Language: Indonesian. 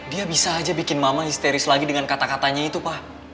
dia bisa aja bikin mama histeris lagi dengan kata katanya itu pak